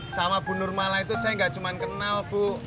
sama bu nurmala itu saya gak cuman kenal bu